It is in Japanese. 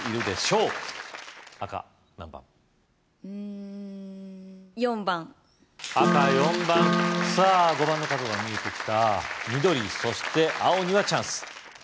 うん４番赤４番さぁ５番の角が見えてきた緑そして青にはチャンス